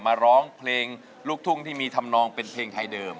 มาร้องเพลงลูกทุ่งที่มีทำนองเป็นเพลงไทยเดิม